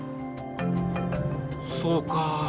そうか。